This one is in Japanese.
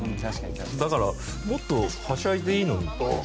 だからもっとはしゃいでいいのに。